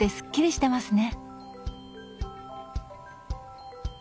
しますね。